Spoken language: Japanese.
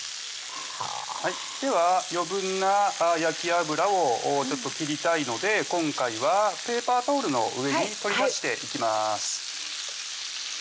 はぁでは余分な焼き油を切りたいので今回はペーパータオルの上に取り出していきます